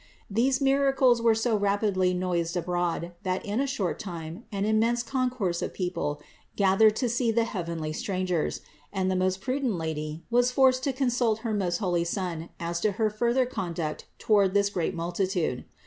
These miracles were so rapidly noised abroad that in a short time an immense concourse of people gathered to see the heavenly Stran gers; and the most prudent Lady was forced to consult her most holy Son as to her further conduct toward this great multitude.